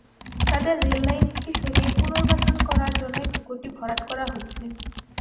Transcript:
তাঁদের রেললাইন থেকে সরিয়ে পুনর্বাসন করার জন্যই পুকুরটি ভরাট করা হচ্ছে।